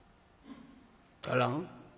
足らん？